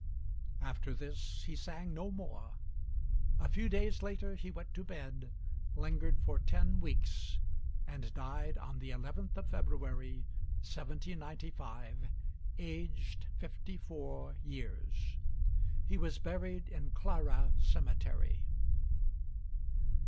After this he sang no more. A few days later he went to bed, lingered for ten weeks, and died on the 11th of February, 1795, aged fifty four years. He was buried in Clara cemetery.